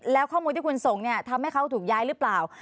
แล้วข้อมูลที่คุณส่งเนี่ยทำให้เขาถูกย้ายหรือเปล่า